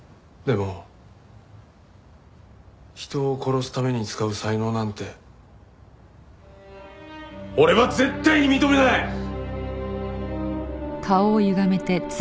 でも人を殺すために使う才能なんて俺は絶対に認めない！